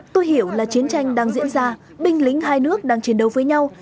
tôi hiểu là chiến tranh đang diễn ra binh lính hai nước đang chiến đấu với nhau